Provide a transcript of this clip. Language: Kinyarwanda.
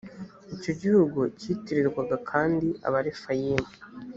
icyo gihugu cyitirirwaga kandi abarefayimu